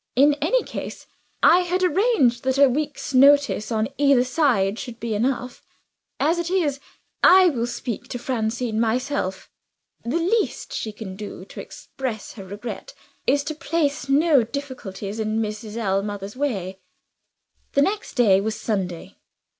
"In any case, I had arranged that a week's notice on either side should be enough. As it is, I will speak to Francine myself. The least she can do, to express her regret, is to place no difficulties in Mrs. Ellmother's way." The next day was Sunday.